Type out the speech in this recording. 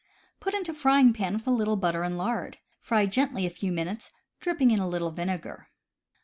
Put into frying pan with a little butter and lard. Fry gently a few minutes, dropping in a little vinegar.